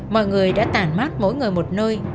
mọi người đã tản mát mỗi người một nơi